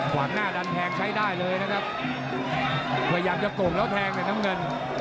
ขวางหน้าดันแทงใช้ได้เลยนะครับพยายามจะโก่งแล้วแทงเลยน้ำเงิน